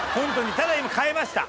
ただ今変えました。